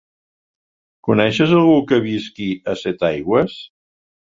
Coneixes algú que visqui a Setaigües?